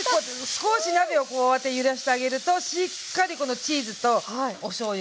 少し鍋をこうやって揺らしてあげるとしっかりこのチーズとおしょうゆがつきますね。